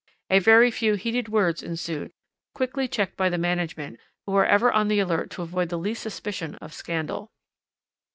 A very few heated words ensued, quickly checked by the management, who are ever on the alert to avoid the least suspicion of scandal.